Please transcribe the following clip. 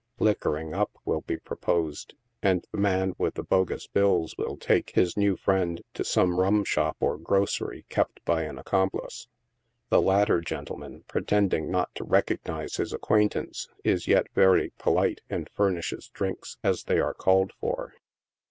" Liquoring up" will be proposed, and the man with the bogus bills will take his new friend to some rum shop, or grocery, kept by an accomplice. The latter gentle man, pretending not to recognize his acquaintance, is yet very po lite, and furnishes drinks as often as they are called for.